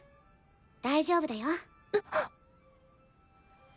大丈夫だよ。